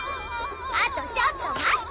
「あとちょっと待って」